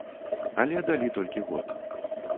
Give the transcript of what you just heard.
Але далі толькі год.